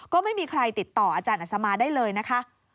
ก็ไม่มีใครติดต่ออาจารย์อัศมาได้เลยนะคะ